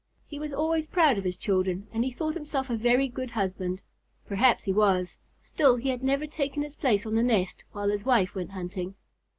He was always proud of his children, and he thought himself a very good husband. Perhaps he was; still he had never taken his place on the nest while his wife went hunting.